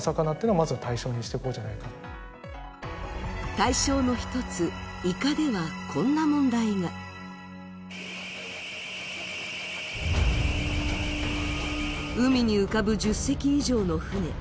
対象の１つ、イカではこんな問題が海に浮かぶ１０隻以上の船。